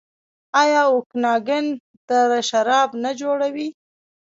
آیا اوکاناګن دره شراب نه جوړوي؟